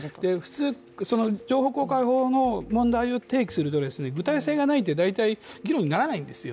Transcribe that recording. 普通、情報公開法の問題を提起すると、具体性がないって大体議論にならないんですよ。